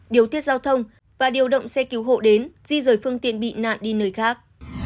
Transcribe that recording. điều tiết giao thông và điều động xe cứu hộ đến di rời phương tiện bị nạn đi nơi khác